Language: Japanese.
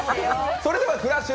それでは「クラッシュ！！